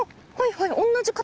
はい。